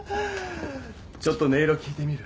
ちょっと音色聴いてみる？